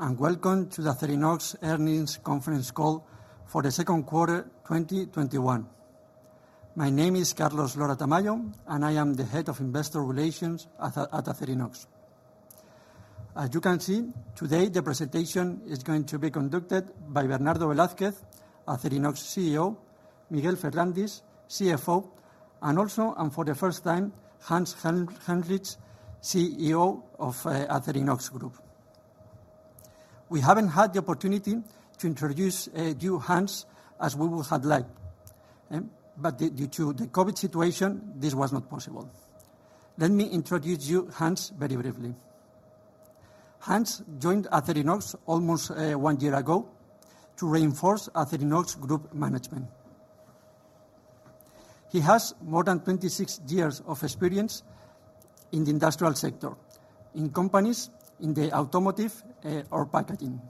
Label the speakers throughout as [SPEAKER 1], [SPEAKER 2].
[SPEAKER 1] Welcome to the Acerinox Earnings Conference Call for the Second Quarter 2021. My name is Carlos Lora-Tamayo, I am the Head of Investor Relations at Acerinox. As you can see, today the presentation is going to be conducted by Bernardo Velázquez, Acerinox CEO, Miguel Ferrandis, CFO, for the first time, Hans Helmrich, COO of Acerinox Group. We haven't had the opportunity to introduce you, Hans, as we would have liked. Due to the COVID situation, this was not possible. Let me introduce you Hans very briefly. Hans joined Acerinox almost one year ago to reinforce Acerinox Group management. He has more than 26 years of experience in the industrial sector, in companies in the automotive or packaging.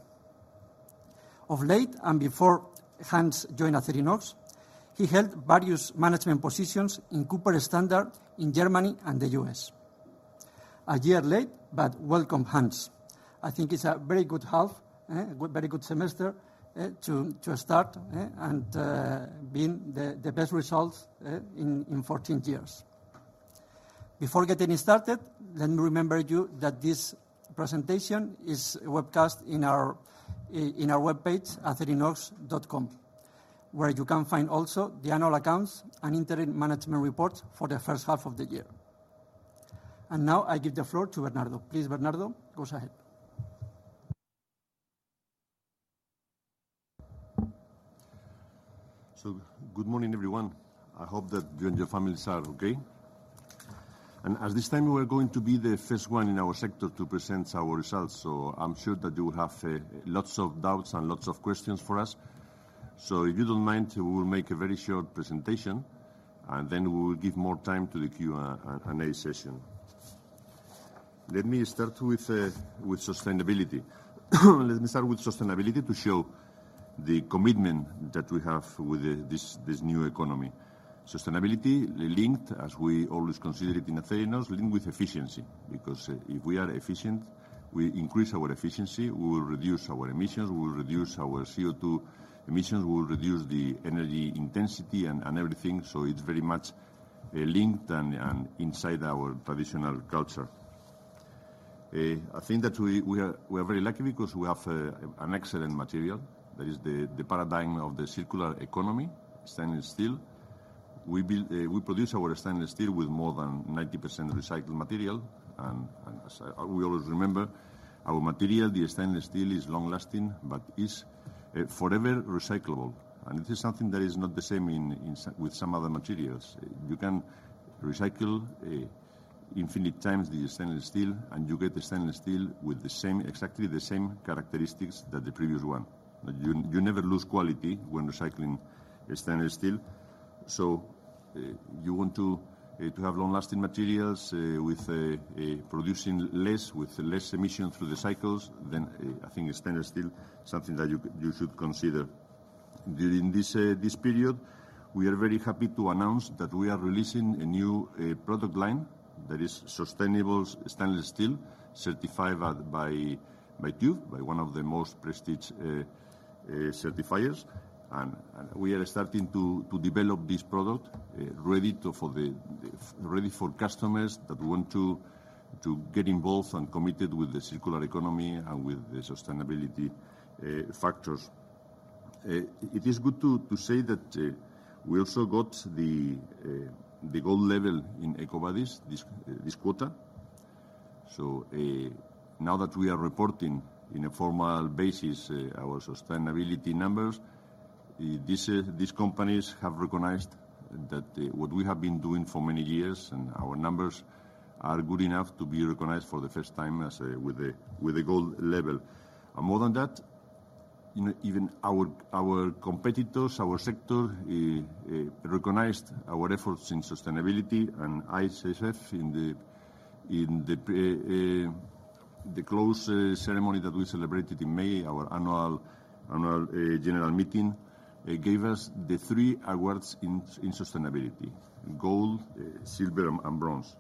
[SPEAKER 1] Of late, before Hans joined Acerinox, he held various management positions in Cooper Standard in Germany and the U.S. A year late, welcome, Hans. I think it's a very good half, very good semester to start and being the best results in 14 years. Before getting started, let me remember you that this presentation is webcast in our webpage acerinox.com, where you can find also the annual accounts and interim management reports for the first half of the year. Now I give the floor to Bernardo. Please, Bernardo, go ahead.
[SPEAKER 2] Good morning, everyone. I hope that you and your families are okay. At this time, we are going to be the first one in our sector to present our results, so I'm sure that you will have lots of doubts and lots of questions for us. If you don't mind, we will make a very short presentation, and then we will give more time to the Q&A session. Let me start with sustainability. Let me start with sustainability to show the commitment that we have with this new economy. Sustainability is linked as we always consider it in Acerinox, linked with efficiency. If we are efficient, we increase our efficiency, we will reduce our emissions, we will reduce our CO2 emissions, we will reduce the energy intensity and everything. It's very much linked and inside our traditional culture. I think that we are very lucky because we have an excellent material that is the paradigm of the circular economy, stainless steel. We produce our stainless steel with more than 90% recycled material. As we always remember, our material, the stainless steel, is long-lasting, but is forever recyclable. This is something that is not the same as some other materials. You can recycle infinite times the stainless steel and you get the stainless steel with exactly the same characteristics as the previous one. You never lose quality when recycling stainless steel. You want to have long-lasting materials producing less, with less emissions through the cycles, then I think stainless steel is something that you should consider. During this period, we are very happy to announce that we are releasing a new product line that is sustainable stainless steel certified by TÜV, by one of the most prestigious certifiers. We are starting to develop this product, ready for customers that want to get involved and committed with the circular economy and with the sustainability factors. It is good to say that we also got the Gold Level in EcoVadis this quarter. Now that we are reporting in a formal basis our sustainability numbers, these companies have recognized that what we have been doing for many years and our numbers are good enough to be recognized for the first time with a Gold Level. More than that, even our competitors, our sector recognized our efforts in sustainability and ISSF in the close ceremony that we celebrated in May, our Annual General Meeting, gave us the three awards in sustainability, gold, silver, and bronze.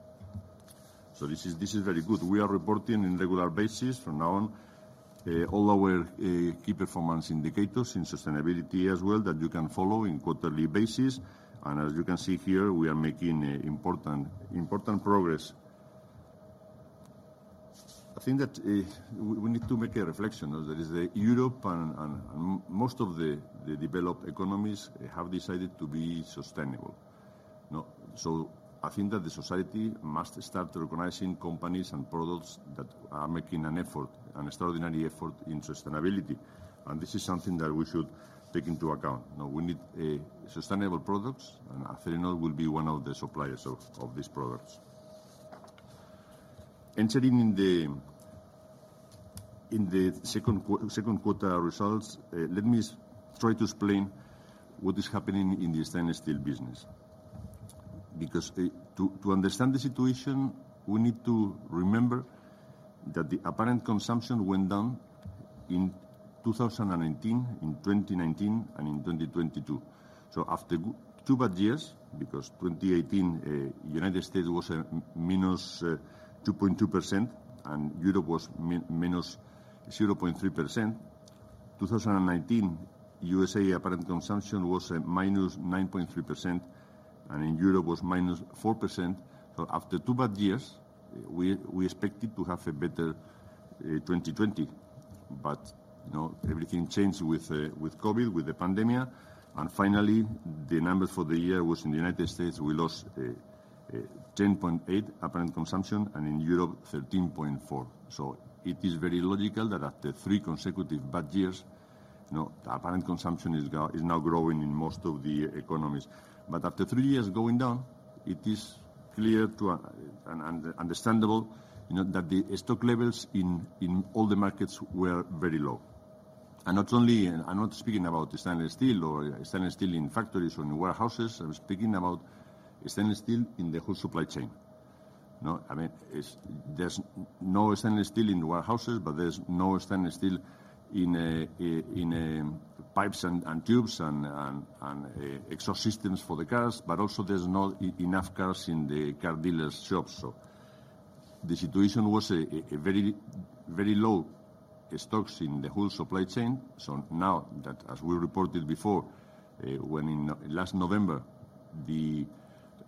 [SPEAKER 2] This is very good. We are reporting on a regular basis from now on all our key performance indicators in sustainability as well that you can follow on a quarterly basis. As you can see here, we are making important progress. I think that we need to make a reflection. That is that Europe and most of the developed economies have decided to be sustainable. I think that the society must start recognizing companies and products that are making an effort, an extraordinary effort in sustainability. This is something that we should take into account. Now, we need sustainable products, and Acerinox will be one of the suppliers of these products. Entering in the second quarter results, let me try to explain what is happening in the stainless steel business. To understand the situation, we need to remember that the apparent consumption went down in 2019 and in 2022. After two bad years, because 2018, United States was a -2.2% and Europe was -0.3%. 2019, USA apparent consumption was a -9.3%, and in Europe was -4%. After two bad years, we expected to have a better 2020. Everything changed with COVID, with the pandemic, and finally, the number for the year was, in the United States, we lost 10.8% apparent consumption, and in Europe, 13.4%. It is very logical that after three consecutive bad years, the apparent consumption is now growing in most of the economies. After three years going down, it is clear and understandable that the stock levels in all the markets were very low. I'm not speaking about the stainless steel or stainless steel in factories or in warehouses. I'm speaking about stainless steel in the whole supply chain. There's no stainless steel in warehouses, but there's no stainless steel in pipes and tubes and exhaust systems for the cars, but also there's not enough cars in the car dealers' shops. The situation was a very low stocks in the whole supply chain. Now that, as we reported before, when in last November,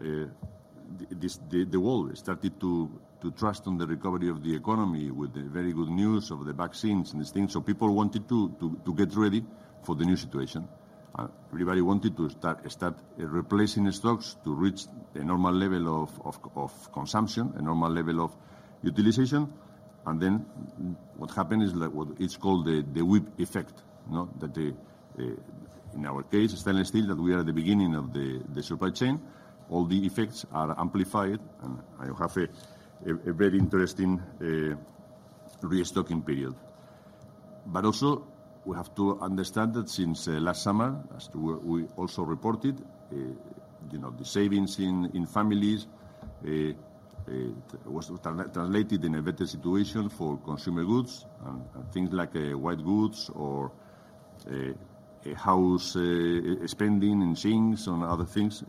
[SPEAKER 2] the world started to trust on the recovery of the economy with the very good news of the vaccines and these things. People wanted to get ready for the new situation. Everybody wanted to start replacing the stocks to reach a normal level of consumption, a normal level of utilization. What happened is what is called the bullwhip effect. That in our case, stainless steel, that we are the beginning of the supply chain. All the effects are amplified, and you have a very interesting restocking period. We have to understand that since last summer, as we also reported, the savings in families was translated in a better situation for consumer goods. Things like white goods or house expanding and things, and other things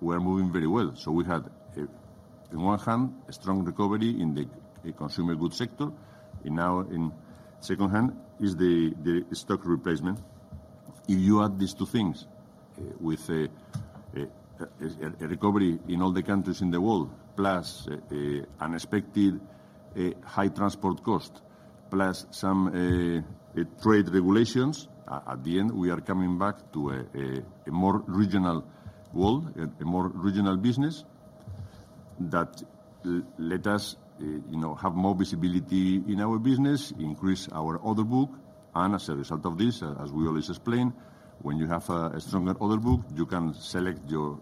[SPEAKER 2] were moving very well. We had, in one hand, a strong recovery in the consumer goods sector. Now in second hand is the stock replacement. If you add these two things with a recovery in all the countries in the world, plus unexpected high transport cost, plus some trade regulations, at the end, we are coming back to a more regional world, a more regional business that let us have more visibility in our business, increase our order book. As a result of this, as we always explain, when you have a stronger order book, you can select your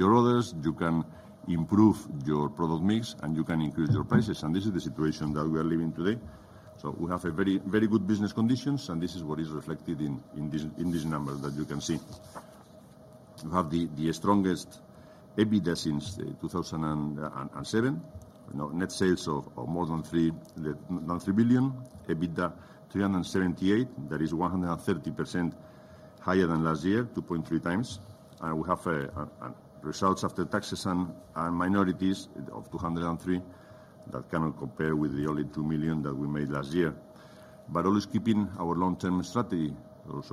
[SPEAKER 2] orders, you can improve your product mix, and you can increase your prices. This is the situation that we are living today. We have very good business conditions, and this is what is reflected in this number that you can see. You have the strongest EBITDA since 2007. Net sales of more than 3 billion. EBITDA, 378 million. That is 130% higher than last year, 2.3 times. We have results after taxes and minorities of 203 million. That cannot compare with the only 2 million that we made last year. Always keeping our long-term strategy.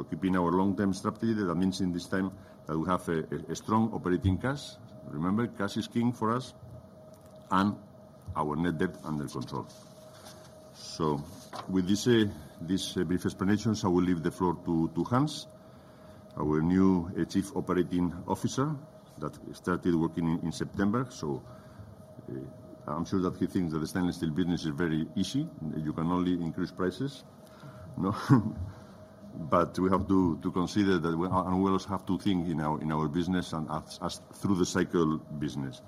[SPEAKER 2] Keeping our long-term strategy, that means in this time that we have a strong operating cash. Remember, cash is king for us. We have our net debt under control. With this brief explanations, I will leave the floor to Hans, our new Chief Operating Officer, that started working in September. I'm sure that he thinks that the stainless steel business is very easy. You can only increase prices. We have to consider that we also have two things in our business and through the cycle business.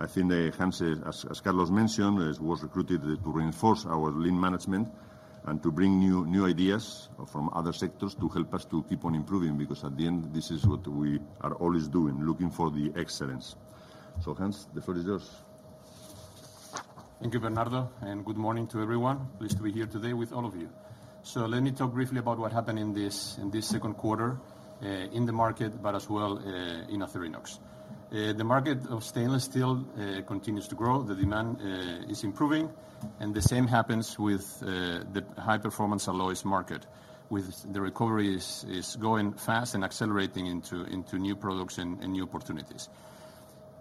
[SPEAKER 2] I think Hans, as Carlos mentioned, was recruited to reinforce our lean management and to bring new ideas from other sectors to help us to keep on improving, because at the end, this is what we are always doing, looking for the excellence. Hans, the floor is yours.
[SPEAKER 3] Thank you, Bernardo, good morning to everyone. Pleased to be here today with all of you. Let me talk briefly about what happened in this second quarter in the market, but as well in Acerinox. The market of stainless steel continues to grow. The demand is improving, and the same happens with the high-performance alloys market, with the recovery is going fast and accelerating into new products and new opportunities.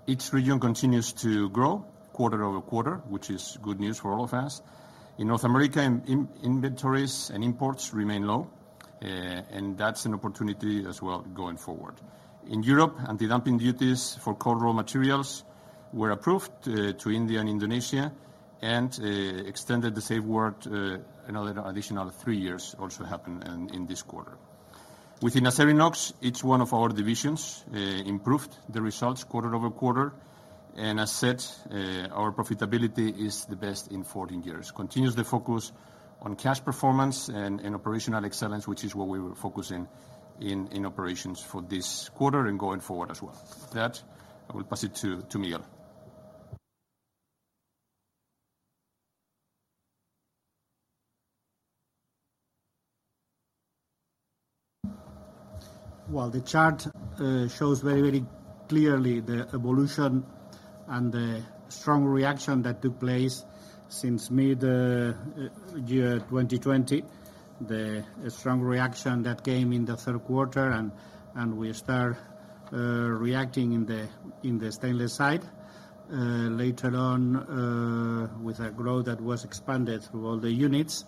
[SPEAKER 3] Each region continues to grow quarter-over-quarter, which is good news for all of us. In North America, inventories and imports remain low, and that's an opportunity as well going forward. In Europe, anti-dumping duties for cold roll materials were approved to India and Indonesia, and extended the safeguard another additional three years also happened in this quarter. Within Acerinox, each one of our divisions improved the results quarter-over-quarter. As said, our profitability is the best in 14 years. Continues the focus on cash performance and operational excellence, which is what we will focus in operations for this quarter and going forward as well. That I will pass it to Miguel.
[SPEAKER 4] Well, the chart shows very clearly the evolution and the strong reaction that took place since mid-2020. The strong reaction that came in the third quarter, we start reacting in the stainless side. Later on, with a growth that was expanded through all the units.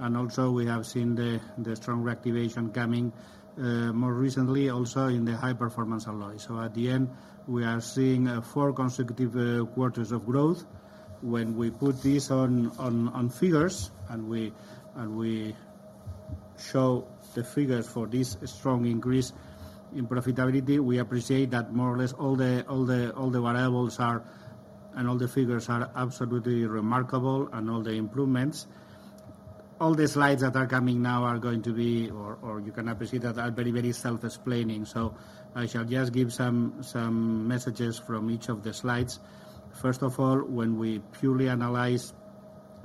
[SPEAKER 4] We have seen the strong reactivation coming more recently, also in the high-performance alloys. At the end, we are seeing four consecutive quarters of growth. When we put this on figures, and we show the figures for this strong increase in profitability, we appreciate that more or less all the variables and all the figures are absolutely remarkable and all the improvements. All the slides that are coming now are going to be, or you can appreciate that are very self-explaining. I shall just give some messages from each of the slides. When we purely analyze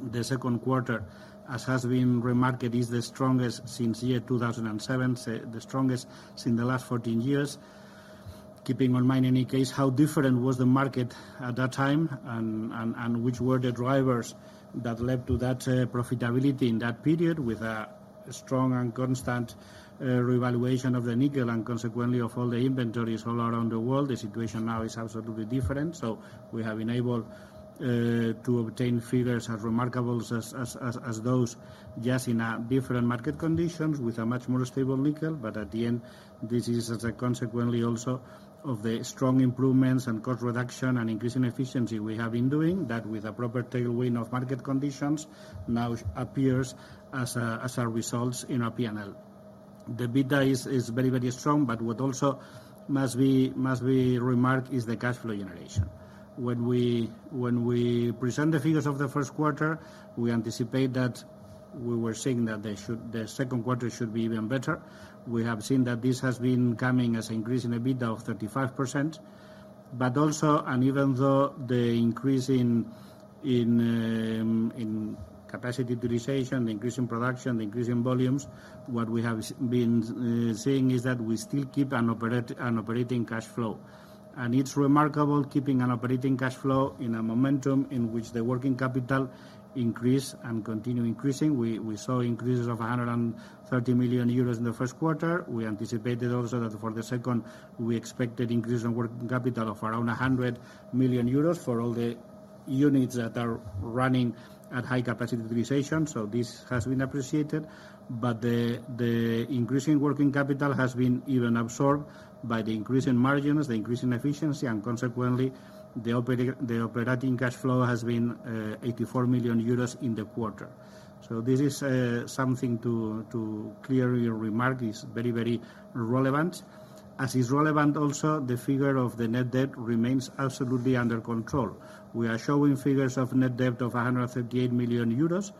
[SPEAKER 4] the second quarter, as has been remarked, it is the strongest since year 2007. The strongest since the last 14 years. Keeping in mind, in any case, how different was the market at that time and which were the drivers that led to that profitability in that period with a strong and constant revaluation of the nickel and consequently of all the inventories all around the world. The situation now is absolutely different. We have enabled to obtain figures as remarkable as those just in a different market conditions with a much more stable nickel. At the end, this is as a consequently also of the strong improvements and cost reduction and increase in efficiency we have been doing that with a proper tailwind of market conditions now appears as our results in our P&L. The EBITDA is very strong. What also must be remarked is the cash flow generation. When we present the figures of the first quarter, we anticipate that we were saying that the second quarter should be even better. We have seen that this has been coming as an increase in EBITDA of 35%, but also, and even though the increase in capacity utilization, increase in production, increase in volumes, what we have been seeing is that we still keep an operating cash flow. It's remarkable keeping an operating cash flow in a momentum in which the working capital increase and continue increasing. We saw increases of 130 million euros in the first quarter. We anticipated also that for the second quarter, we expected increase in working capital of around 100 million euros for all the units that are running at high capacity utilization. This has been appreciated, but the increase in working capital has been even absorbed by the increase in margins, the increase in efficiency, and consequently, the operating cash flow has been 84 million euros in the quarter. This is something to clearly remark is very relevant. As is relevant also, the figure of the net debt remains absolutely under control. We are showing figures of net debt of 158 million euros,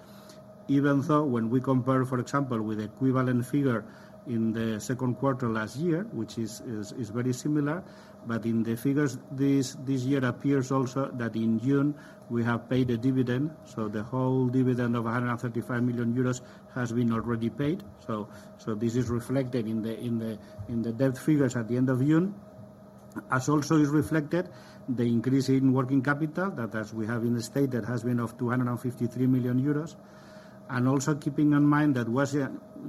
[SPEAKER 4] even though when we compare, for example, with equivalent figure in the second quarter last year, which is very similar, but in the figures this year appears also that in June we have paid a dividend. The whole dividend of 135 million euros has been already paid. This is reflected in the debt figures at the end of June, as also is reflected the increase in working capital that, as we have stated has been of 253 million euros. Also, keeping in mind that was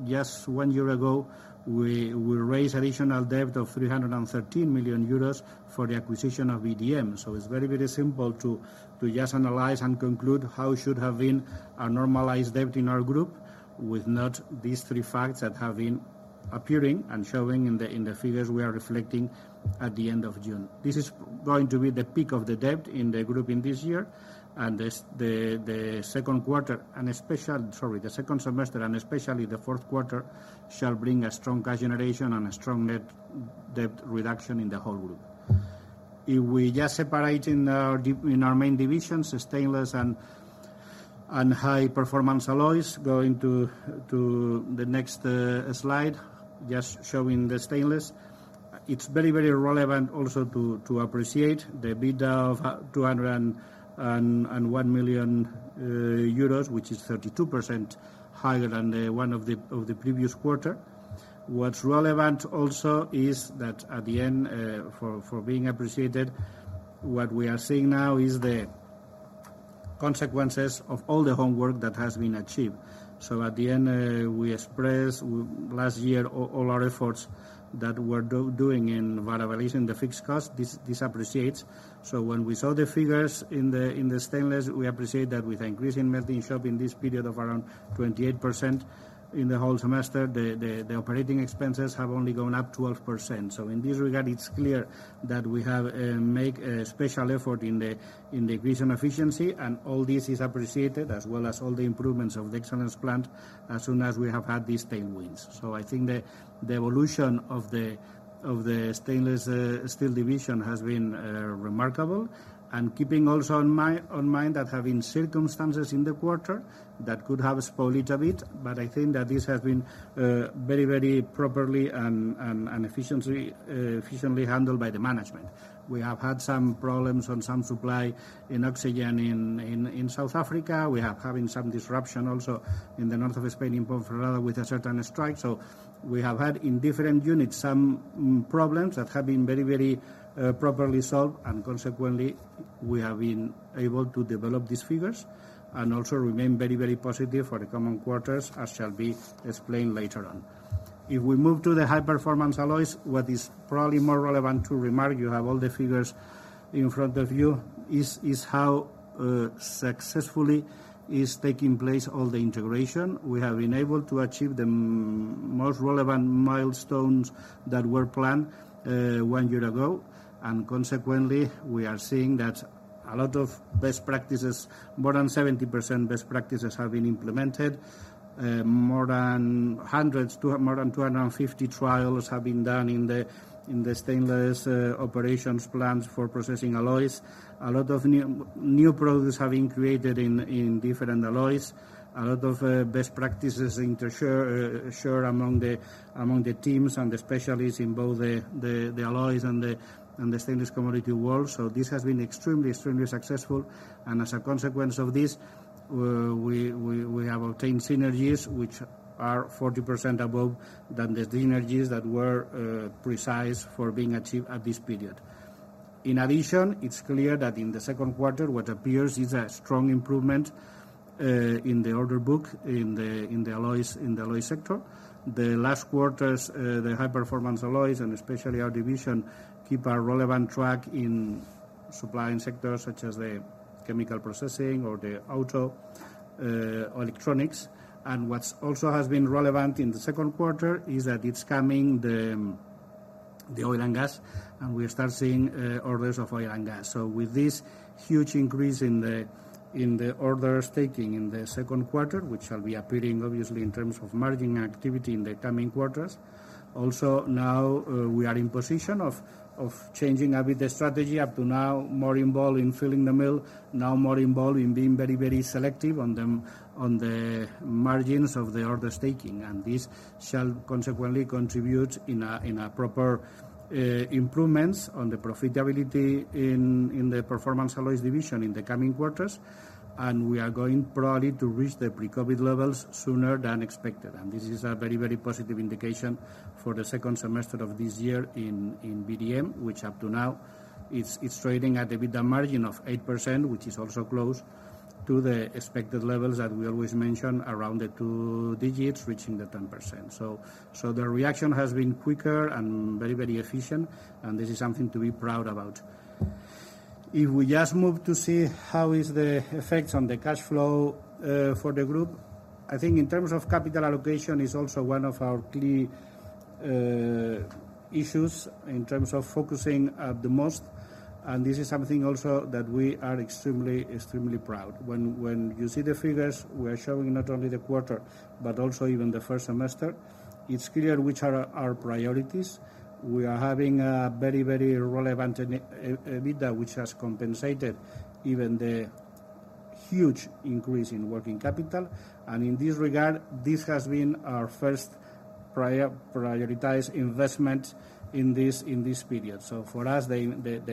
[SPEAKER 4] just one year ago, we will raise additional debt of 313 million euros for the acquisition of VDM Metals. It's very simple to just analyze and conclude how should have been a normalized debt in our group with not these three facts that have been appearing and showing in the figures we are reflecting at the end of June. This is going to be the peak of the debt in the group in this year, and the second semester and especially the fourth quarter shall bring a strong cash generation and a strong net debt reduction in the whole group. If we just separate in our main divisions, the stainless and high-performance alloys, going to the next slide, just showing the stainless. It's very relevant also to appreciate the EBITDA of 201 million euros, which is 32% higher than the one of the previous quarter. What's relevant also is that at the end, for being appreciated, what we are seeing now is the consequences of all the homework that has been achieved. At the end, we express last year all our efforts that we're doing in variabilizing the fixed cost. This appreciates. When we saw the figures in the stainless, we appreciate that with increase in melting shop in this period of around 28% in the whole semester, the operating expenses have only gone up 12%. In this regard, it's clear that we have made a special effort in the increase in efficiency, and all this is appreciated, as well as all the improvements in plant as soon as we have had these tailwinds. I think the evolution of the stainless steel division has been remarkable, and keeping also in mind that have been circumstances in the quarter that could have spoiled a bit, but I think that this has been very properly and efficiently handled by the management. We have had some problems on some supply in oxygen in South Africa. We are having some disruption also in the north of Spain, in, with a certain strike. We have had, in different units, some problems that have been very properly solved, and consequently, we have been able to develop these figures and also remain very positive for the coming quarters, as shall be explained later on. If we move to the high-performance alloys, what is probably more relevant to remark, you have all the figures in front of you, is how successfully is taking place all the integration. We have been able to achieve the most relevant milestones that were planned one year ago. Consequently, we are seeing that a lot of best practices, more than 70% best practices, have been implemented. More than 250 trials have been done in the stainless operations plans for processing alloys. A lot of new products have been created in different alloys. A lot of best practices ensure among the teams and the specialists in both the alloys and the stainless commodity world. This has been extremely successful. As a consequence of this, we have obtained synergies which are 40% above than the synergies that were precise for being achieved at this period. In addition, it's clear that in the second quarter, what appears is a strong improvement in the order book in the alloys sector. The last quarters, the high-performance alloys, and especially our division, keep a relevant track in supplying sectors such as the chemical processing or the automotive electronics. What also has been relevant in the second quarter is that it's coming, the oil and gas. We start seeing orders of oil and gas. With this huge increase in the order taking in the second quarter, which shall be appearing obviously in terms of margin activity in the coming quarters. Now we are in a position of changing a bit the strategy. Up to now, more involved in filling the mill, now more involved in being very selective on the margins of the order taking. This shall consequently contribute in a proper improvements on the profitability of the performance alloys division in the coming quarters. We are going probably to reach the pre-COVID levels sooner than expected. This is a very positive indication for the second semester of this year in VDM Metals, which up to now is trading at EBITDA margin of 8%, which is also close to the expected levels that we always mention around the two digits, reaching the 10%. The reaction has been quicker and very efficient, and this is something to be proud about. If we just move to see how is the effects on the cash flow for the group. I think in terms of capital allocation is also one of our key issues in terms of focusing at the most. This is something also that we are extremely proud. When you see the figures, we are showing not only the quarter, but also even the first semester. It's clear which are our priorities. We are having a very relevant EBITDA, which has compensated even the huge increase in working capital. In this regard, this has been our first prioritized investment in this period. For us, the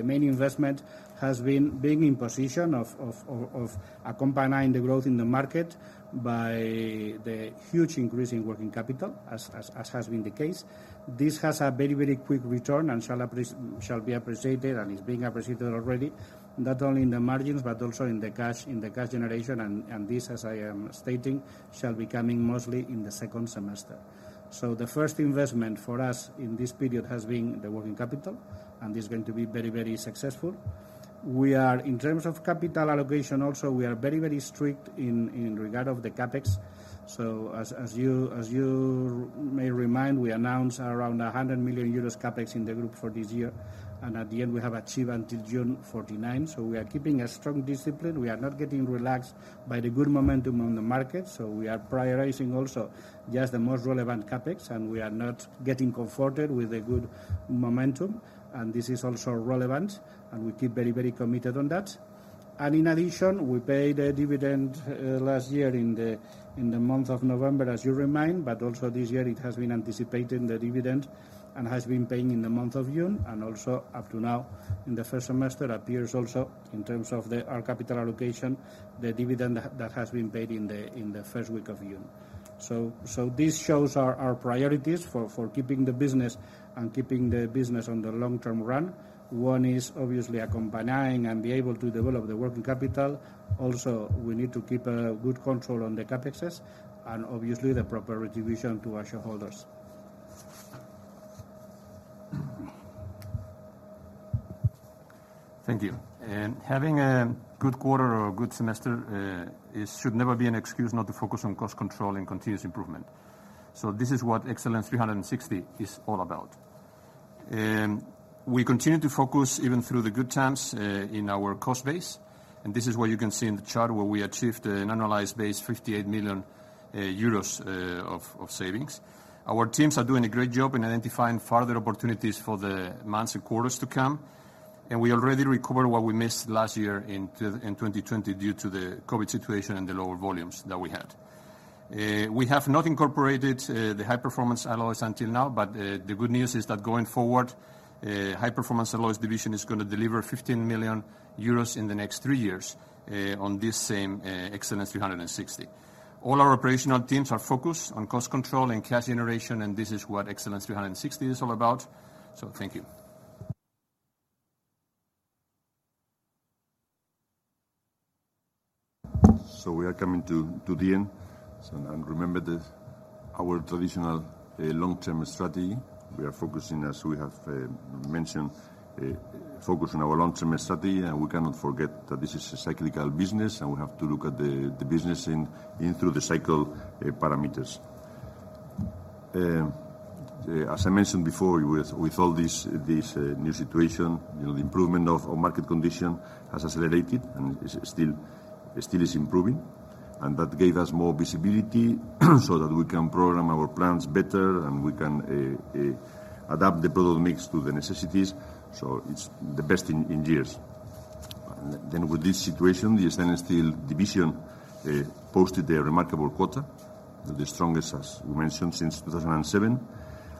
[SPEAKER 4] main investment has been being in a position of accompanying the growth in the market by the huge increase in working capital as has been the case. This has a very quick return and shall be appreciated and is being appreciated already, not only in the margins, but also in the cash generation. This, as I am stating, shall be coming mostly in the second semester. The first investment for us in this period has been the working capital, and this is going to be very successful. In terms of capital allocation, also, we are very strict in regard of the CapEx. As you may remind, we announced around 100 million euros CapEx in the group for this year. At the end, we have achieved until June, 49 million. We are keeping a strong discipline. We are not getting relaxed by the good momentum on the market. We are prioritizing also just the most relevant CapEx, and we are not getting comforted with the good momentum. This is also relevant, and we keep very committed on that. In addition, we paid a dividend last year in the month of November, as you remind, but also this year it has been anticipating the dividend and has been paying in the month of June. Also, up to now in the first semester appears also in terms of our capital allocation, the dividend that has been paid in the first week of June. This shows our priorities for keeping the business on the long-term run. One is obviously accompanying and be able to develop the working capital. Also, we need to keep a good control on the CapEx and obviously the proper retribution to our shareholders.
[SPEAKER 3] Thank you. Having a good quarter or a good semester should never be an excuse not to focus on cost control and continuous improvement. This is what Excellence 360 is all about. We continue to focus even through the good chance in our cost base, and this is what you can see in the chart where we achieved an analyzed base, 58 million euros of savings. Our teams are doing a great job in identifying further opportunities for the months and quarters to come, and we already recovered what we missed last year in 2020 due to the COVID situation and the lower volumes that we had. We have not incorporated the high-performance alloys until now, but the good news is that going forward, high-performance alloys division is going to deliver 15 million euros in the next three years on this same Excellence 360. All our operational teams are focused on cost control and cash generation. This is what Excellence 360 is all about. Thank you.
[SPEAKER 2] We are coming to the end. Remember our traditional long-term strategy. We are focusing, as we have mentioned, focus on our long-term strategy, and we cannot forget that this is a cyclical business, and we have to look at the business in through the cycle parameters. As I mentioned before, with all this new situation, the improvement of our market condition has accelerated and still is improving. That gave us more visibility so that we can program our plans better, and we can adapt the product mix to the necessities. It's the best in years. With this situation, the stainless steel division posted a remarkable quarter, the strongest, as we mentioned, since 2007.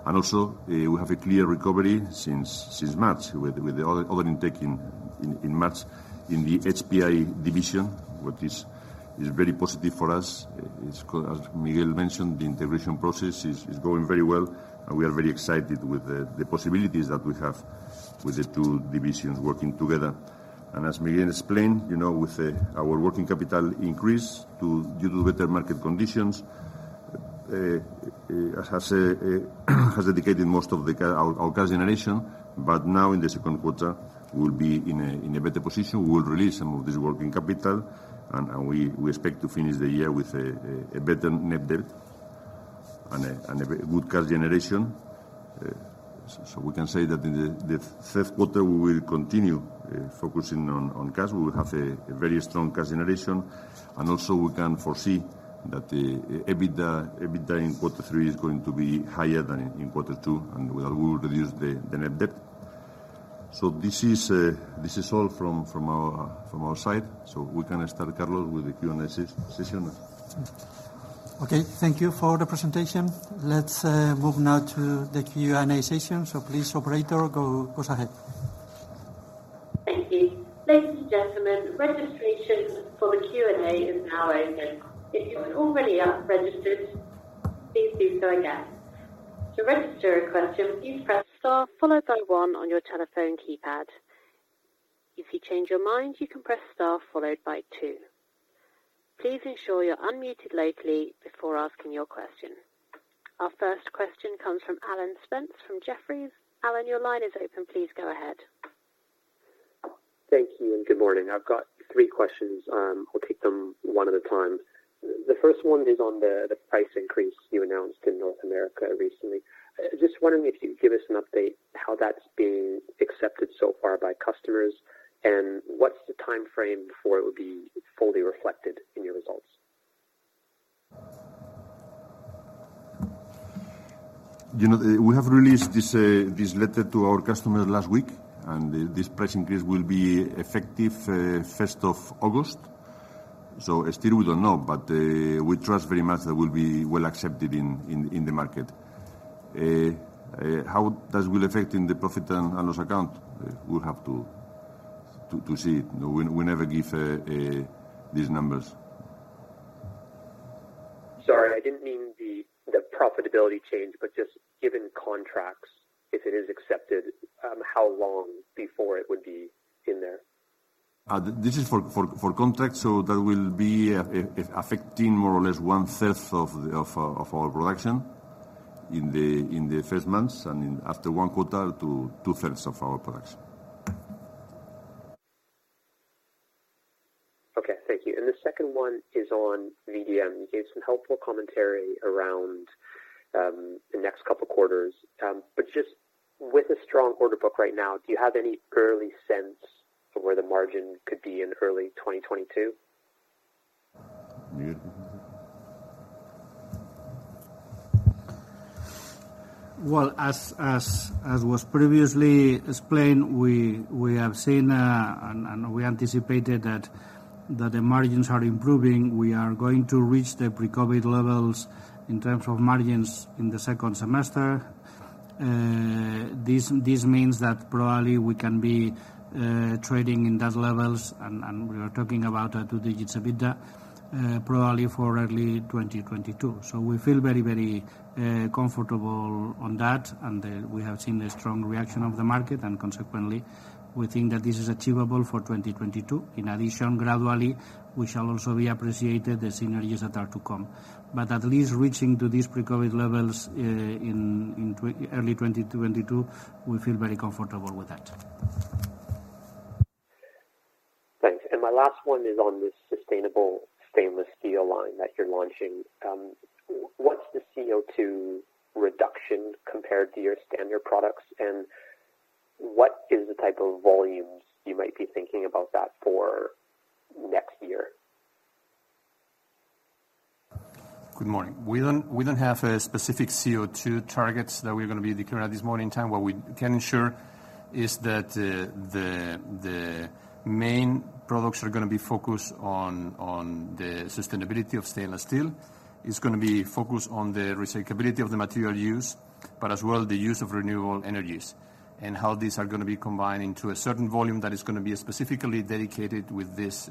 [SPEAKER 2] Also, we have a clear recovery since March, with the order intake in March in the HPA division. What is very positive for us is, as Miguel mentioned, the integration process is going very well, and we are very excited with the possibilities that we have with the two divisions working together. As Miguel explained, with our working capital increase due to better market conditions, has dedicated most of our cash generation. Now in the second quarter, we'll be in a better position. We will release some of this working capital, and we expect to finish the year with a better net debt and a good cash generation. We can say that in the third quarter, we will continue focusing on cash. We will have a very strong cash generation, and also we can foresee that the EBITDA in quarter three is going to be higher than in quarter two, and we will reduce the net debt. This is all from our side. We can start, Carlos, with the Q&A session.
[SPEAKER 1] Okay, thank you for the presentation. Let's move now to the Q&A session. Please, operator, go ahead.
[SPEAKER 5] Thank you. Ladies and gentlemen, registration for the Q&A is now open. If you are already registered, please do so again. To register a question, please press star followed by one on your telephone keypad. If you change your mind, you can press star followed by two. Please ensure you're unmuted locally before asking your question. Our first question comes from Alan Spence from Jefferies. Alan, your line is open. Please go ahead.
[SPEAKER 6] Thank you, and good morning. I've got three questions. I'll take them one at a time. The first one is on the price increase you announced in North America recently. Just wondering if you could give us an update how that's being accepted so far by customers, and what's the timeframe before it will be fully reflected in your results?
[SPEAKER 2] We have released this letter to our customers last week, this price increase will be effective first of August. Still, we don't know, but we trust very much that will be well accepted in the market. How this will affect in the profit and loss account? We'll have to see. We never give these numbers.
[SPEAKER 6] Sorry, I didn't mean the profitability change, but just given contracts, if it is accepted, how long before it would be in there?
[SPEAKER 2] This is for contracts, that will be affecting more or less 1/3 of our production in the first months and after one quarter to 2/3 of our production.
[SPEAKER 6] Okay, thank you. The second one is on VDM. You gave some helpful commentary around the next couple of quarters. Just with a strong order book right now, do you have any early sense of where the margin could be in early 2022?
[SPEAKER 2] Miguel.
[SPEAKER 4] As was previously explained, we have seen we anticipated that the margins are improving. We are going to reach the pre-COVID levels in terms of margins in the second semester. This means that probably we can be trading in that levels, and we are talking about a two-digits EBITDA, probably for early 2022. We feel very, very comfortable on that, and we have seen the strong reaction of the market, and consequently, we think that this is achievable for 2022. In addition, gradually, we shall also be appreciated the synergies that are to come. At least reaching to these pre-COVID levels in early 2022, we feel very comfortable with that.
[SPEAKER 6] Thanks. My last one is on this Sustainable Stainless Steel line that you're launching. What's the CO2 reduction compared to your standard products, and what is the type of volumes you might be thinking about that for next year?
[SPEAKER 3] Good morning. We don't have specific CO2 targets that we're going to be declaring at this morning time. What we can ensure is that the main products are going to be focused on the sustainability of stainless steel. As well the use of renewable energies and how these are going to be combined into a certain volume that is going to be specifically dedicated with this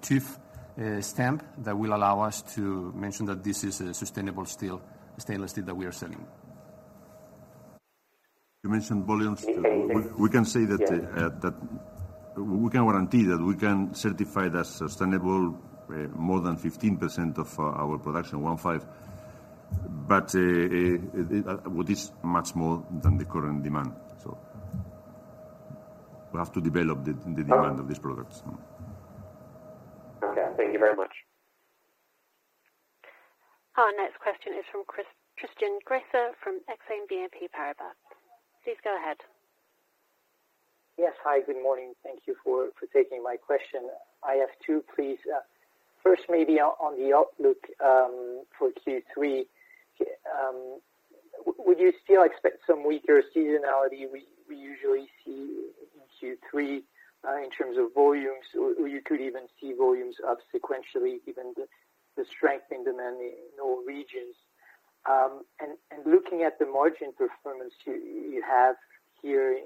[SPEAKER 3] TÜV stamp that will allow us to mention that this is a sustainable stainless steel that we are selling.
[SPEAKER 2] You mentioned volumes. We can guarantee that we can certify the sustainable more than 15% of our production 1-5. This is much more than the current demand. We have to develop the demand of these products.
[SPEAKER 6] Okay. Thank you very much.
[SPEAKER 5] Our next question is from Tristan Gresser from BNP Paribas Exane. Please go ahead.
[SPEAKER 7] Yes. Hi, good morning. Thank you for taking my question. I have two, please. First, maybe on the outlook for Q3. Would you still expect some weaker seasonality we usually see in Q3 in terms of volumes? Or you could even see volumes up sequentially, given the strength in demand in all regions? Looking at the margin performance you have here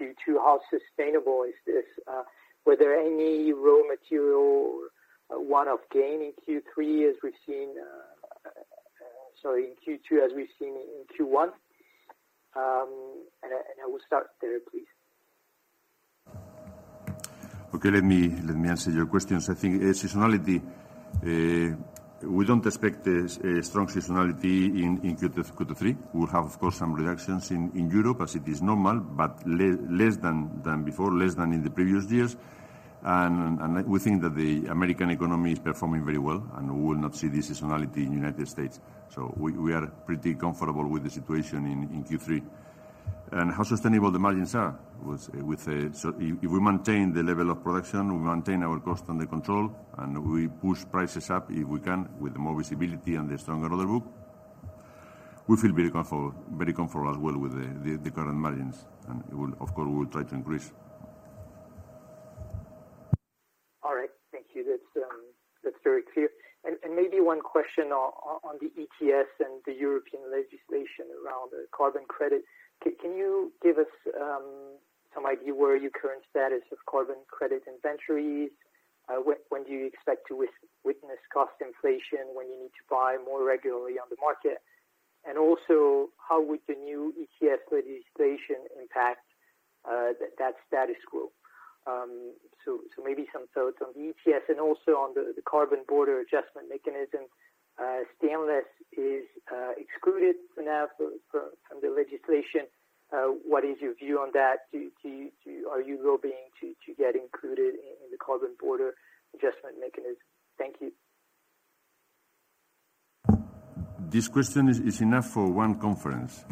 [SPEAKER 7] in Q2, how sustainable is this? Were there any raw material one-off gain in Q2 as we've seen in Q1? I will start there, please.
[SPEAKER 2] Okay. Let me answer your questions. I think seasonality, we don't expect a strong seasonality in Q3. We'll have, of course, some reductions in Europe as it is normal, but less than before, less than in the previous years. We think that the American economy is performing very well, and we will not see the seasonality in the United States. We are pretty comfortable with the situation in Q3. How sustainable the margins are? If we maintain the level of production, we maintain our cost under control, and we push prices up if we can with more visibility and a stronger order book, we feel very comfortable as well with the current margins. Of course, we will try to increase.
[SPEAKER 7] All right. Thank you. That's very clear. Maybe one question on the ETS and the European legislation around carbon credit. Can you give us some idea where your current status of carbon credit inventories, when do you expect to witness cost inflation when you need to buy more regularly on the market? How would the new ETS legislation impact that status quo? Maybe some thoughts on the ETS and also on the Carbon Border Adjustment Mechanism. Stainless is excluded for now from the legislation. What is your view on that? Are you lobbying to get included in the Carbon Border Adjustment Mechanism? Thank you.
[SPEAKER 2] This question is enough for one conference.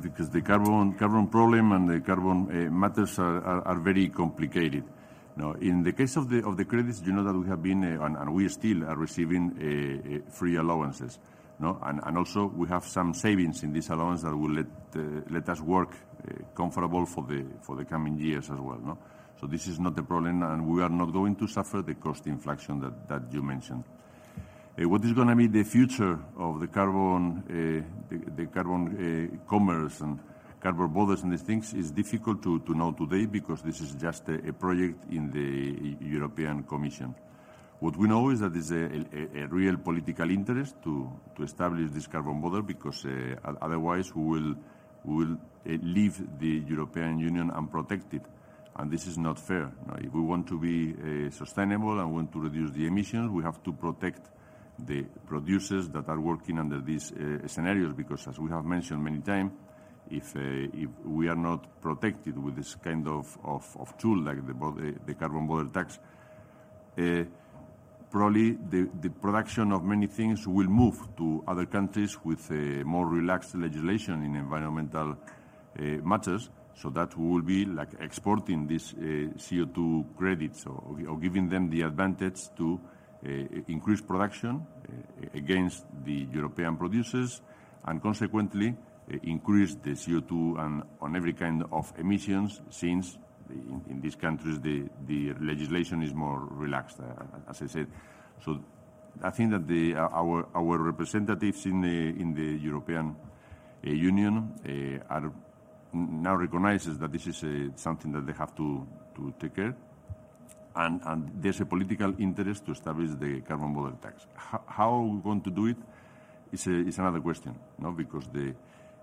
[SPEAKER 2] Because the carbon problem and the carbon matters are very complicated. In the case of the credits, you know that we have been, and we still are receiving free allowances. Also, we have some savings in this allowance that will let us work comfortable for the coming years as well. This is not the problem, and we are not going to suffer the cost inflation that you mentioned. What is going to be the future of the carbon commerce and carbon borders, and these things is difficult to know today because this is just a project in the European Commission. What we know is that there's a real political interest to establish this carbon border because otherwise we will leave the European Union and protect it, and this is not fair. If we want to be sustainable and want to reduce the emission, we have to protect the producers that are working under these scenarios because, as we have mentioned many times, if we are not protected with this kind of tool like the carbon border tax, probably the production of many things will move to other countries with more relaxed legislation in environmental matters. That we will be exporting these CO2 credits or giving them the advantage to increase production against the European producers and consequently increase the CO2 and every kind of emissions since in these countries the legislation is more relaxed, as I said. I think that our representatives in the European Union now recognizes that this is something that they have to take care of and there's a political interest to establish the carbon border tax. How we're going to do it is another question.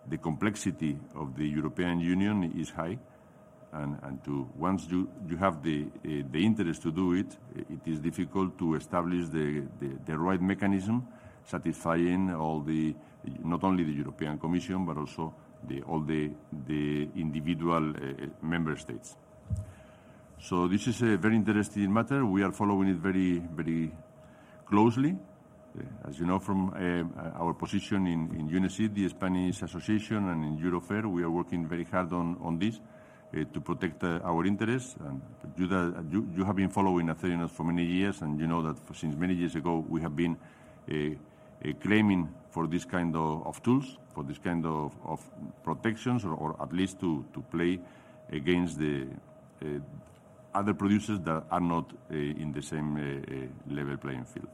[SPEAKER 2] The complexity of the European Union is high, and once you have the interest to do it is difficult to establish the right mechanism satisfying not only the European Commission, but also all the individual member states. This is a very interesting matter. We are following it very closely. As you know from our position in UNESID, the Spanish association, and in Eurofer, we are working very hard on this to protect our interests. You have been following Acerinox for many years, and you know that since many years ago, we have been claiming for these kind of tools, for these kind of protections, or at least to play against the other producers that are not in the same level playing field.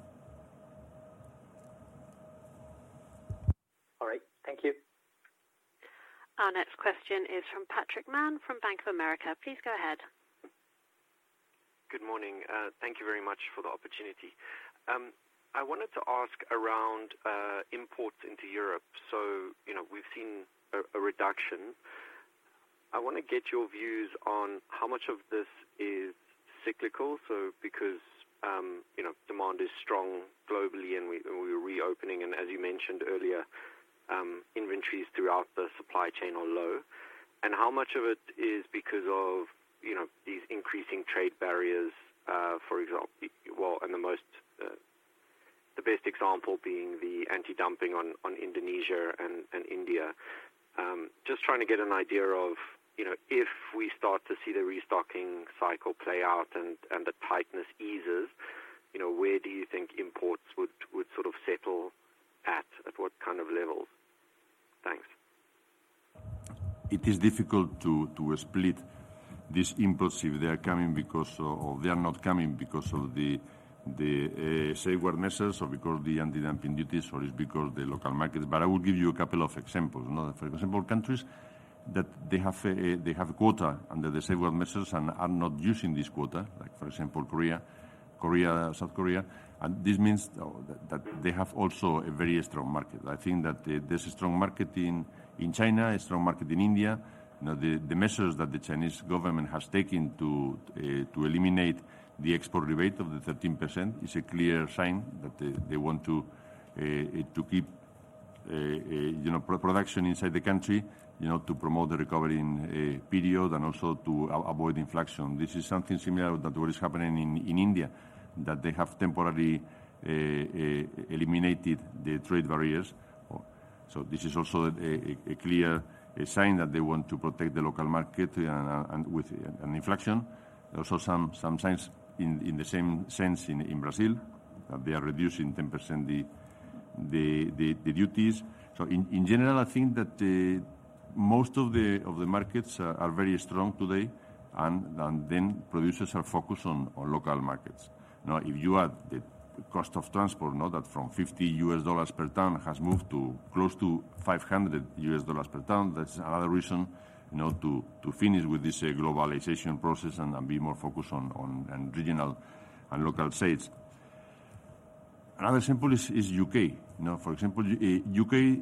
[SPEAKER 7] All right. Thank you.
[SPEAKER 5] Our next question is from Patrick Mann from Bank of America. Please go ahead.
[SPEAKER 8] Good morning. Thank you very much for the opportunity. I wanted to ask around imports into Europe. We've seen a reduction. I want to get your views on how much of this is cyclical. Because demand is strong globally, and we are reopening, as you mentioned earlier, inventories throughout the supply chain are low. How much of it is because of these increasing trade barriers, the best example being the anti-dumping on Indonesia and India? Just trying to get an idea of, if we start to see the restocking cycle play out and the tightness eases, where do you think imports would sort of settle at what kind of levels? Thanks.
[SPEAKER 2] It is difficult to split these imports if they are coming because or they are not coming because of the safeguard measures or because the anti-dumping duties or it's because the local markets. I would give you a couple of examples. For example, countries that they have quota under the safeguard measures and are not using this quota, like for example, South Korea. This means that they have also a very strong market. I think that there's a strong market in China, a strong market in India. The measures that the Chinese government has taken to eliminate the export rebate of the 13% is a clear sign that they want to keep production inside the country, to promote the recovery period and also to avoid inflection. This is something similar to what is happening in India, that they have temporarily eliminated the trade barriers. This is also a clear sign that they want to protect the local market and with an inflection. Also some signs in the same sense in Brazil, that they are reducing 10% the duties. In general, I think that most of the markets are very strong today, and then producers are focused on local markets. Now, if you add the cost of transport, know that from 50 US dollars per ton has moved to close to 500 US dollars per ton. That's another reason, to finish with this globalization process and be more focused on regional and local sales. Another example is U.K. For example, U.K.,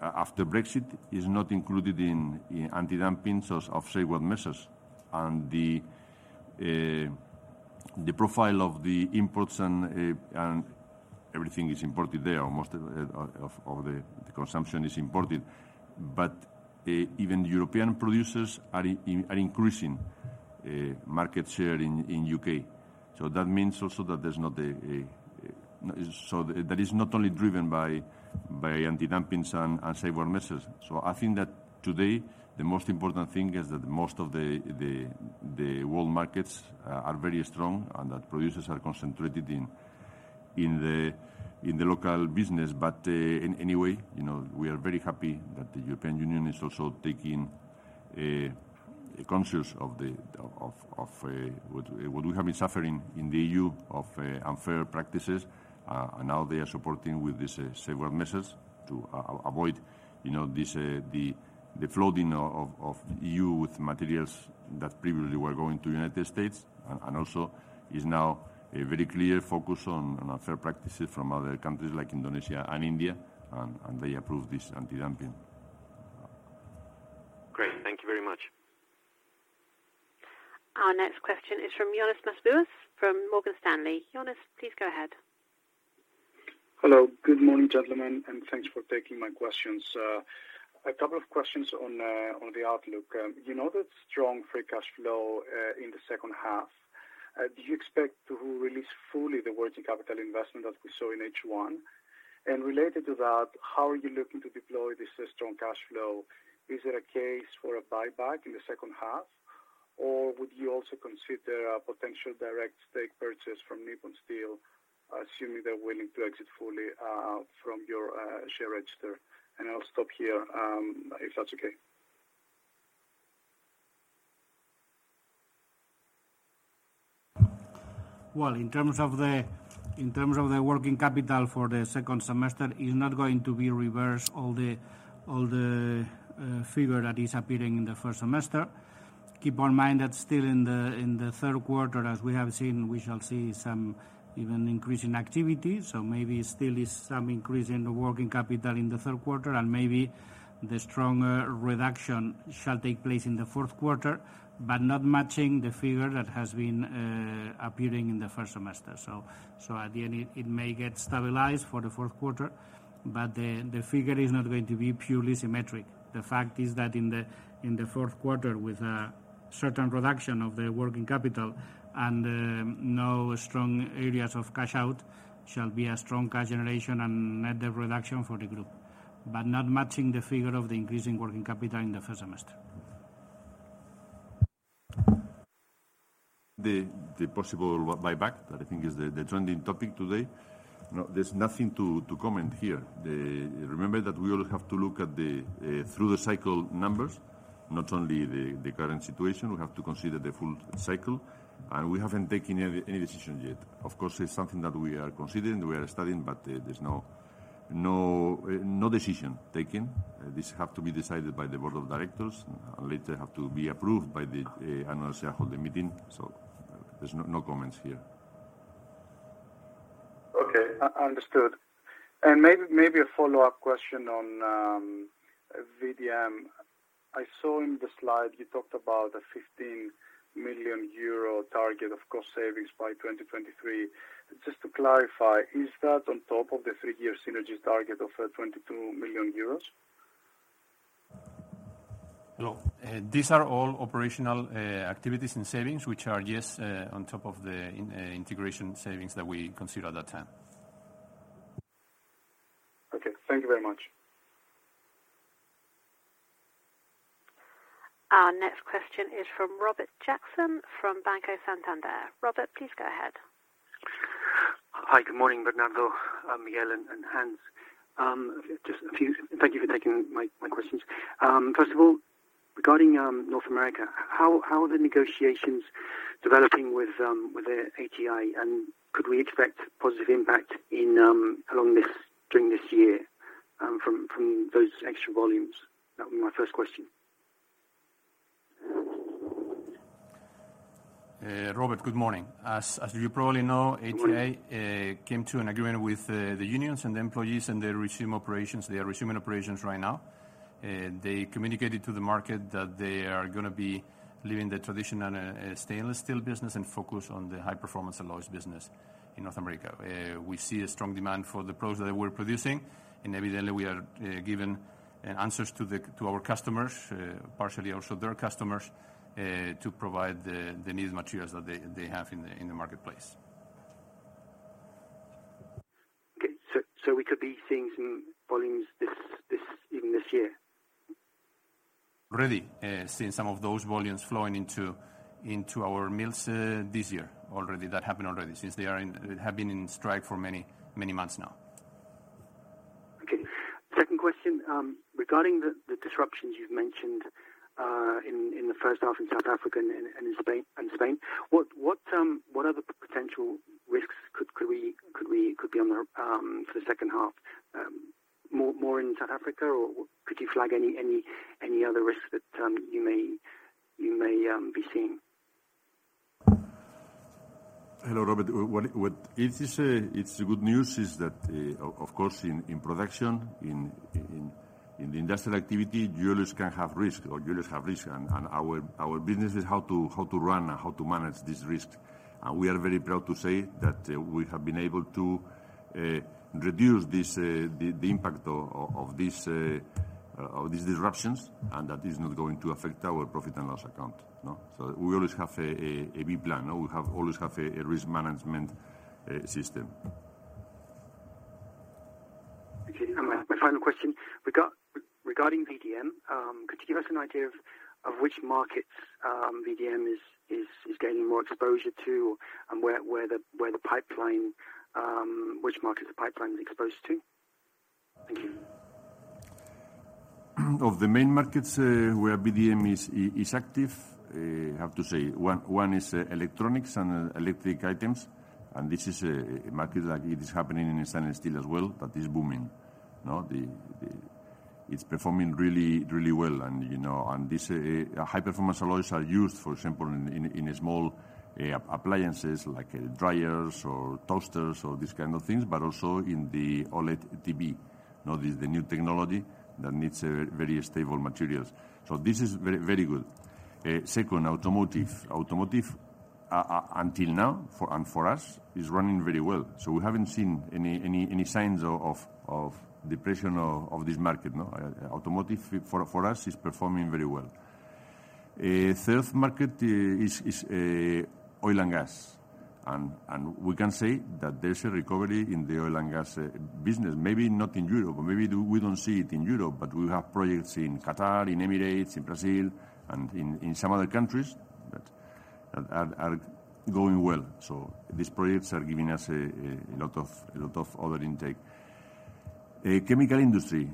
[SPEAKER 2] after Brexit, is not included in anti-dumping source of safeguard measures and the profile of the imports and everything is imported there, or most of the consumption is imported. Even European producers are increasing market share in U.K. That means also that is not only driven by anti-dumping and safeguard measures. I think that today the most important thing is that most of the world markets are very strong and that producers are concentrated in the local business. In any way, we are very happy that the European Union is also taking conscious of what we have been suffering in the EU of unfair practices. Now they are supporting with these safeguard measures to avoid the flooding of EU with materials that previously were going to the United States, and also is now a very clear focus on unfair practices from other countries like Indonesia and India. They approve this anti-dumping.
[SPEAKER 8] Great. Thank you very much.
[SPEAKER 5] Our next question is from Ioannis Masvoulas from Morgan Stanley. Ioannis, please go ahead.
[SPEAKER 9] Hello. Good morning, gentlemen, thanks for taking my questions. A couple of questions on the outlook. You know that strong free cash flow in the second half, do you expect to release fully the working capital investment that we saw in H1? Related to that, how are you looking to deploy this strong cash flow? Is it a case for a buyback in the second half, or would you also consider a potential direct stake purchase from Nippon Steel, assuming they're willing to exit fully from your share register? I'll stop here, if that's okay.
[SPEAKER 4] Well, in terms of the working capital for the second semester, is not going to be reversed all the figure that is appearing in the first semester. Keep in mind that still in the third quarter, as we have seen, we shall see some even increase in activity. Maybe still some increase in the working capital in the third quarter, and maybe the stronger reduction shall take place in the fourth quarter, but not matching the figure that has been appearing in the first semester. At the end, it may get stabilized for the fourth quarter, but the figure is not going to be purely symmetric. The fact is that in the fourth quarter, with a certain reduction of the working capital and no strong areas of cash-out, shall be a strong cash generation and net debt reduction for the group, but not matching the figure of the increase in working capital in the first semester.
[SPEAKER 9] Okay.
[SPEAKER 2] The possible buyback that I think is the trending topic today. No, there's nothing to comment here. Remember that we only have to look through the cycle numbers, not only the current situation. We have to consider the full cycle, and we haven't taken any decision yet. Of course, it's something that we are considering, we are studying, but there's no decision taken. This has to be decided by the board of directors, later have to be approved by the annual shareholder meeting. There's no comments here.
[SPEAKER 9] Okay. Understood. Maybe a follow-up question on VDM. I saw in the slide you talked about a 15 million euro target of cost savings by 2023. Just to clarify, is that on top of the three-year synergies target of 22 million euros?
[SPEAKER 4] No. These are all operational activities and savings, which are, yes, on top of the integration savings that we consider that time.
[SPEAKER 9] Okay. Thank you very much.
[SPEAKER 5] Our next question is from Robert Jackson from Banco Santander. Robert, please go ahead.
[SPEAKER 10] Hi, good morning, Bernardo, Miguel, and Hans. Thank you for taking my questions. First of all, regarding North America, how are the negotiations developing with ATI? Could we expect positive impact during this year from those extra volumes? That would be my first question.
[SPEAKER 4] Robert, good morning. As you probably know, ATI came to an agreement with the unions and the employees, and they resumed operations. They are resuming operations right now. They communicated to the market that they are going to be leaving the traditional stainless steel business and focus on the high-performance alloys business in North America. We see a strong demand for the products that we're producing, and evidently, we are giving answers to our customers, partially also their customers, to provide the needed materials that they have in the marketplace.
[SPEAKER 10] We could be seeing some volumes even this year?
[SPEAKER 4] Already seeing some of those volumes flowing into our mills this year. That happened already, since they have been in strike for many months now.
[SPEAKER 10] Okay. Second question, regarding the disruptions you've mentioned in the first half in South Africa and Spain, what are the potential risks could be for the second half? More in South Africa, could you flag any other risks that you may be seeing?
[SPEAKER 2] Hello, Robert. It's a good news is that, of course, in production, in the industrial activity, you always can have risk, or you always have risk. Our business is how to run and how to manage this risk. We are very proud to say that we have been able to reduce the impact of these disruptions, and that is not going to affect our profit and loss account. We always have a B plan. We always have a risk management system.
[SPEAKER 10] Okay. My final question, regarding VDM, could you give us an idea of which markets VDM is gaining more exposure to and which markets the pipeline is exposed to? Thank you.
[SPEAKER 2] Of the main markets where VDM is active, I have to say one is electronics and electric items, and this is a market that it is happening in stainless steel as well, that is booming. It's performing really well. These high-performance alloys are used, for example, in small appliances like dryers or toasters or these kind of things, but also in the OLED TV. Now, this is the new technology that needs very stable materials. This is very good. Second, automotive. Automotive, until now, and for us, is running very well. We haven't seen any signs of depression of this market. Automotive, for us, is performing very well. Sales market is oil and gas. We can say that there's a recovery in the oil and gas business. Maybe not in Europe, or maybe we don't see it in Europe, but we have projects in Qatar, in Emirates, in Brazil, and in some other countries that are going well. These projects are giving us a lot of order intake. The chemical industry,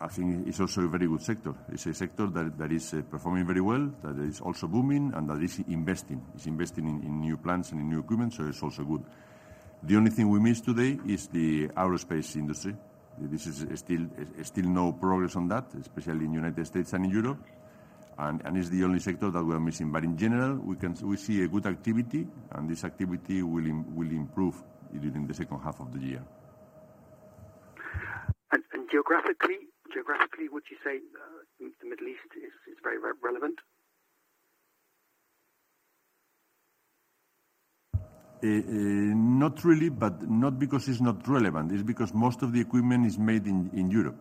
[SPEAKER 2] I think is also a very good sector. It's a sector that is performing very well, that is also booming, and that is investing. It's investing in new plants and in new equipment, it's also good. The only thing we miss today is the aerospace industry. Still no progress on that, especially in the U.S. and in Europe. It's the only sector that we are missing. In general, we see a good activity, this activity will improve during the second half of the year.
[SPEAKER 10] Geographically, would you say the Middle East is very relevant?
[SPEAKER 2] Not really, but not because it's not relevant. It's because most of the equipment is made in Europe.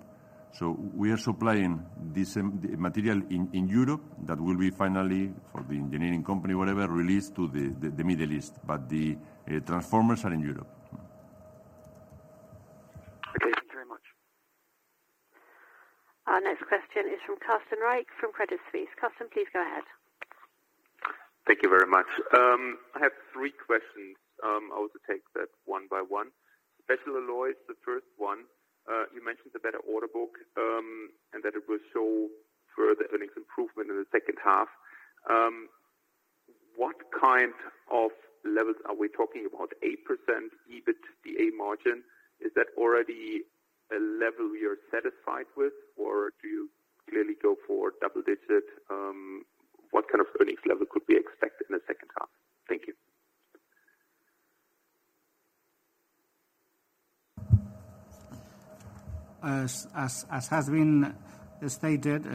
[SPEAKER 2] We are supplying the material in Europe that will be finally for the engineering company, whatever, released to the Middle East. The transformers are in Europe.
[SPEAKER 5] From Carsten Riek from Credit Suisse. Carsten, please go ahead.
[SPEAKER 11] Thank you very much. I have three questions. I will take that one by one. Special alloys, the first one. You mentioned the better order book and that it will show further earnings improvement in the second half. What kind of levels are we talking about, 8% EBITDA margin? Is that already a level you're satisfied with, or do you clearly go for double digit? What kind of earnings level could we expect in the second half? Thank you.
[SPEAKER 4] As has been stated,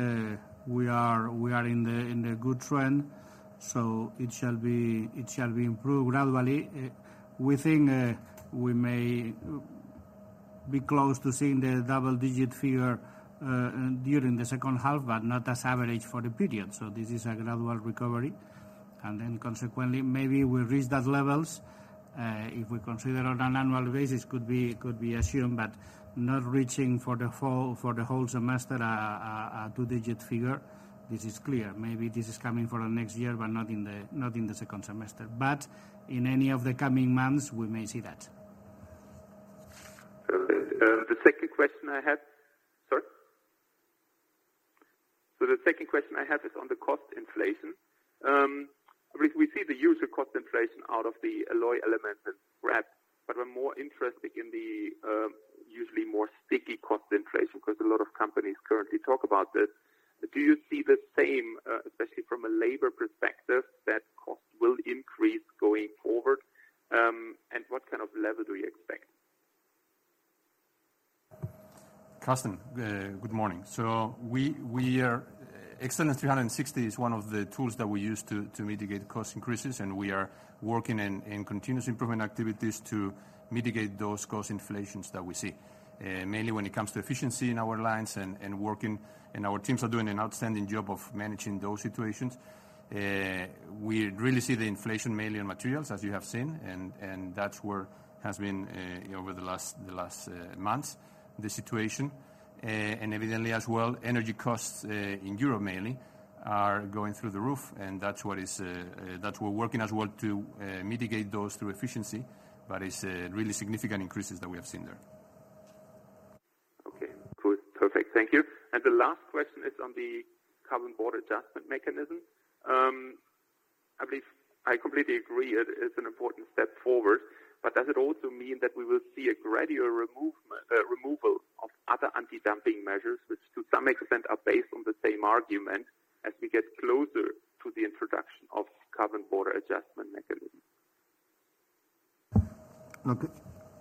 [SPEAKER 4] we are in a good trend. It shall be improved gradually. We think we may be close to seeing the double-digit figure during the second half, not as average for the period. This is a gradual recovery. Consequently, maybe we reach that levels. If we consider it on an annual basis, it could be assumed, not reaching for the whole semester a two-digit figure. This is clear. Maybe this is coming for the next year, not in the second semester. In any of the coming months, we may see that.
[SPEAKER 11] The second question I have is on the cost inflation. We see the usual cost inflation out of the alloy element and scrap, but we're more interested in the usually more sticky cost inflation, because a lot of companies currently talk about this. Do you see the same, especially from a labor perspective, that costs will increase going forward? What kind of level do you expect?
[SPEAKER 3] Carsten, good morning. Excellence 360 is one of the tools that we use to mitigate cost increases, and we are working in continuous improvement activities to mitigate those cost inflations that we see. Mainly, when it comes to efficiency in our lines and working, our teams are doing an outstanding job of managing those situations. We really see the inflation mainly on materials, as you have seen, and that's where has been, over the last months, the situation. Evidently, as well, energy costs, in Europe mainly, are going through the roof, and that's what we're working as well to mitigate those through efficiency, but it's really significant increases that we have seen there.
[SPEAKER 11] Okay, cool. Perfect. Thank you. The last question is on the Carbon Border Adjustment Mechanism. I believe I completely agree it is an important step forward. Does it also mean that we will see a gradual removal of other anti-dumping measures, which to some extent are based on the same argument as we get closer to the introduction of Carbon Border Adjustment Mechanism?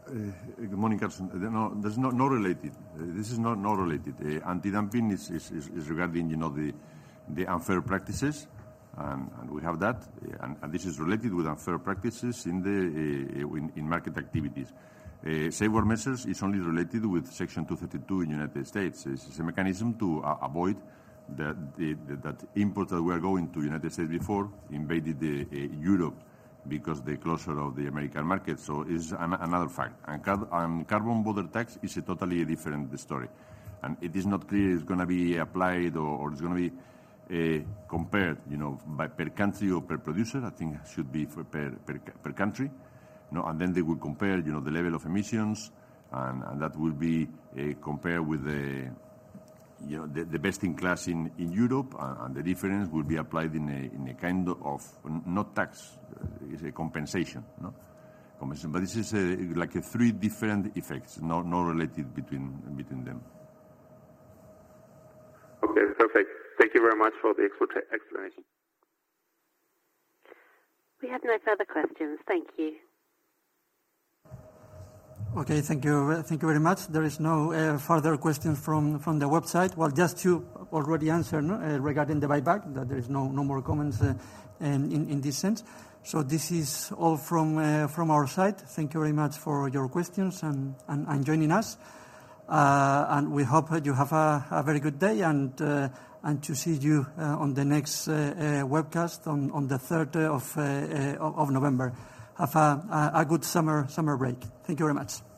[SPEAKER 2] Good morning, Carsten. No. That is not related. This is not related. Anti-dumping is regarding the unfair practices, we have that, this is related with unfair practices in market activities. Safeguard measures is only related with Section 232 in United States. It is a mechanism to avoid that input that we are going to United States before invaded Europe because they're closer of the American market. It is another fact. carbon border tax is a totally different story. It is not clear it's going to be applied or it's going to be compared by per country or per producer. I think it should be per country. Then they will compare the level of emissions, that will be compared with the best in class in Europe, the difference will be applied in a kind of not tax, it's a compensation. This is like a three different effects, not related between them.
[SPEAKER 11] Okay, perfect. Thank you very much for the explanation.
[SPEAKER 5] We have no further questions. Thank you.
[SPEAKER 1] Okay. Thank you very much. There is no further questions from the website. Well, just you already answered regarding the buyback, that there is no more comments in this sense. This is all from our side. Thank you very much for your questions and joining us. We hope that you have a very good day and to see you on the next webcast on the third day of November. Have a good summer break. Thank you very much.